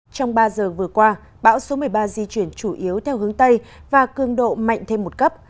trong ba giờ vừa qua bão số một mươi ba di chuyển chủ yếu theo hướng tây và cương độ mạnh thêm một cấp